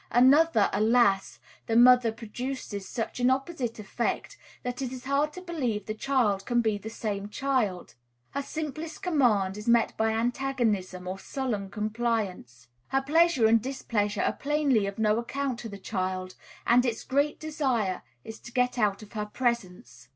Another, alas! the mother, produces such an opposite effect that it is hard to believe the child can be the same child. Her simplest command is met by antagonism or sullen compliance; her pleasure and displeasure are plainly of no account to the child, and its great desire is to get out of her presence.